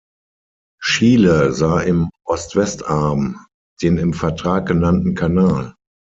Chile sah im Ost-West-Arm den im Vertrag genannten Kanal.